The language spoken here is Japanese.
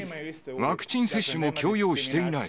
ワクチン接種も強要していない。